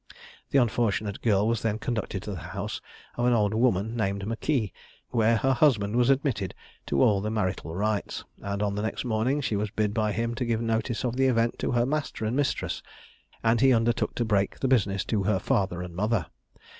The unfortunate girl was then conducted to the house of an old woman named M'Kee, where her husband was admitted to all the marital rights; and on the next morning she was bid by him to give notice of the event to her master and mistress, and he undertook to break the business to her father and mother.